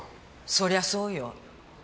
そりゃそうよ！